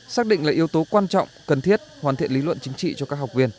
xác định là yếu tố quan trọng cần thiết hoàn thiện lý luận chính trị cho các học viên